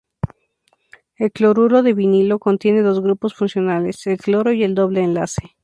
El cloruro de vinilo contiene dos grupos funcionales: el cloro y el doble enlace.